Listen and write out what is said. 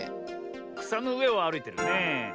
くさのうえをあるいてるねえ。